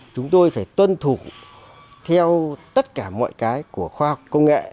chúng tôi phải tuân thủ theo tất cả mọi cái của khoa học công nghệ